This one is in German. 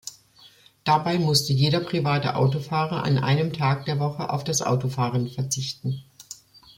Dabei musste jeder private Autofahrer an einem Tag der Woche auf das Autofahren verzichten.